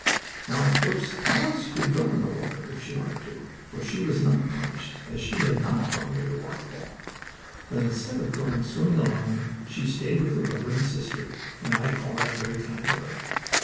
Now, of course, Alice could go in the water if she wanted to, for she was not punished, as she had not gone near the waterfall, but instead of going swimming alone, she stayed with her brother and sister, and I call that very kind of her.